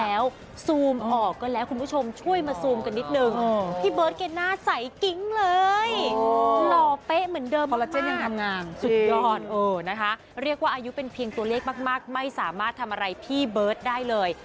แล้วเรียกว่าอายุเป็นเพียงตัวเลขมากไม่สามารถทำอะไรพี่เบิร์ตได้เลย